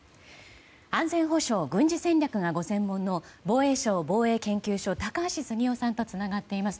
安全保障、軍事戦略ががご専門の防衛省防衛研究所高橋杉雄さんとつながっています。